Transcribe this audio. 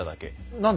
何で？